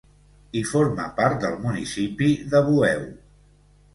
I forma part del municipi de Bueu.